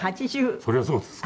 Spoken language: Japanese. それはそうですか？